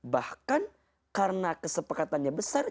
bahkan karena kesepakatannya besar